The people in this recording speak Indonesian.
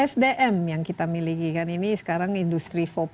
sdm yang kita miliki kan ini sekarang industri empat